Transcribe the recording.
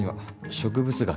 植物学？